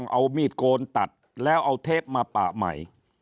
เอามีดโกนตัดแล้วเอาเทปมาปะใหม่